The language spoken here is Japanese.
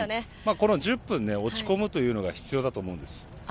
この１０分、落ち込むというのが必要だと思うんです。